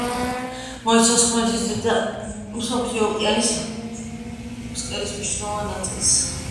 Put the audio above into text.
მოიცავს ხმელეთის დიდ და მსოფლიო ოკეანის ფსკერის მნიშვნელოვან ნაწილს.